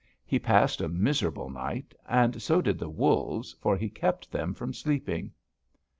He passed a miserable night, and so did the wolves, for he kept them from sleeping.